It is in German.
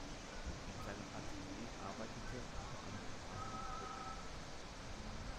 In seinem Atelier arbeitete unter anderem Arnold Böcklin.